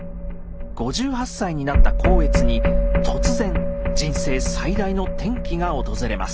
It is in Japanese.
５８歳になった光悦に突然人生最大の転機が訪れます。